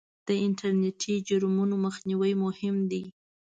د انټرنېټي جرمونو مخنیوی مهم دی.